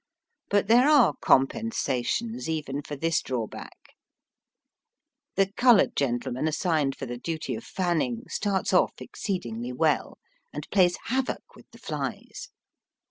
But there are compensations even for this drawback. The coloured gentleman assigned for the duty of fanning starts off exceedingly well and plays havoc with the flies.